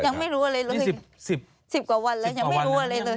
๑๐กว่าวันแล้วยังไม่รู้อะไรเลย